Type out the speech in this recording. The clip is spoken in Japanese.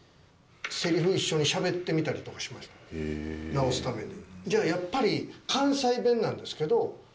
直すために。